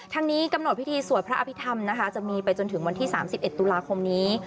ทั้งนี้กำหนดพิธีสวดพระอภิษฐรรมนะคะจะมีไปจนถึงวันที่๓๑ตุลาคมนี้